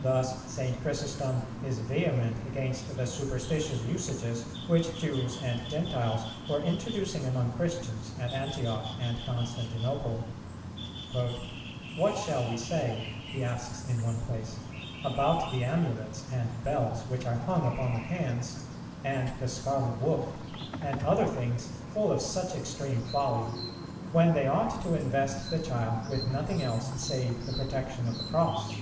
Thus St. Chrysostom is vehement against the superstitious usages which Jews and Gentiles were introducing among Christians at Antioch and Constantinople. "What shall we say," he asks in one place, "about the amulets and bells which are hung upon the hands, and the scarlet woof, and other things full of such extreme folly; when they ought to invest the child with nothing else save the protection of the Cross?